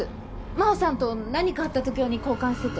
真帆さんと何かあった時用に交換してて。